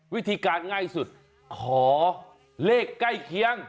วิธีการง่ายสุดขอเลขใกล้เคียง